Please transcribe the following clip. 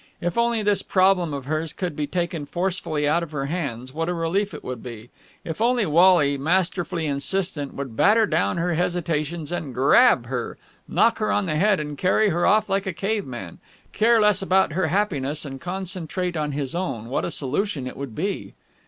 If only this problem of hers could be taken forcefully out of her hands, what a relief it would be. If only Wally, masterfully insistent, would batter down her hesitations and grab her, knock her on the head and carry her off like a caveman, care less about her happiness and concentrate on his own, what a solution it would be....